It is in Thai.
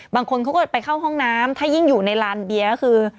บางคนเขาก็ไปเข้าห้องน้ำถ้ายิ่งอยู่ในลานเบียร์ก็คือ